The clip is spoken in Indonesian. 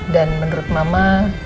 dan menurut mama